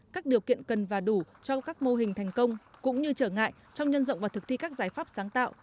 các điều kiện cần và đủ cho các mô hình thành công cũng như trở ngại trong nhân rộng và thực thi các giải pháp sáng tạo